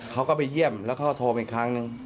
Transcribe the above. เขาก็ไปเยี่ยมแล้วเขาโทรอีกครั้ง